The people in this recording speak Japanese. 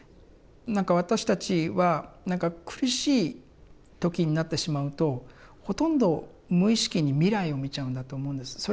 なんか私たちは苦しい時になってしまうとほとんど無意識に未来を見ちゃうんだと思うんです。